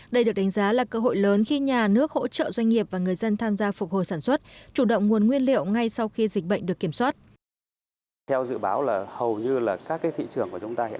đây được đánh giá là cơ hội lớn khi nhà nước hỗ trợ doanh nghiệp và người dân tham gia phục hồi sản xuất